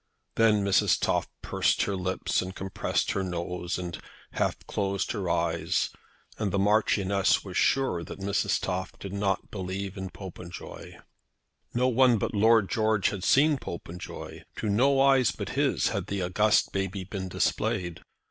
Then Mrs. Toff pursed up her lips, and compressed her nose, and half closed her eyes, and the Marchioness was sure that Mrs. Toff did not believe in Popenjoy. No one but Lord George had seen Popenjoy. To no eyes but his had the august baby been displayed.